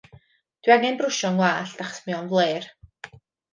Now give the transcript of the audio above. Dw i angen brwsio 'y ngwallt achos mae o'n flêr.